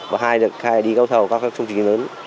và hai là đi cao thầu các công trình lớn